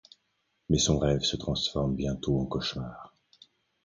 Mais son rêve se transforme bientôt en cauchemar.